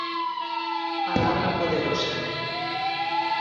"Palabra poderosa".